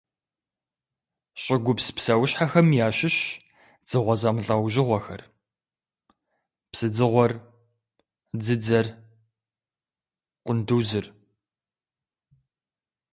ЩӀыгупс псэущхьэхэм ящыщщ дзыгъуэ зэмылӀэужьыгъуэхэр: псыдзыгъуэр, дзыдзэр, къундузыр.